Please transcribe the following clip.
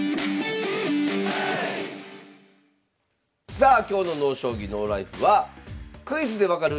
さあ今日の「ＮＯ将棋ＮＯＬＩＦＥ」は「クイズで分かる！